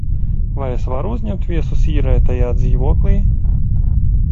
Vai es varu uzņemt viesus īrētajā dzīvoklī?